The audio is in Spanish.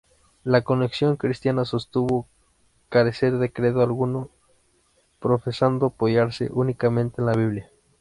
La Conexión Cristiana sostuvo carecer de credo alguno, profesando apoyarse únicamente en la Biblia.